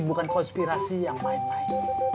bukan konspirasi yang main main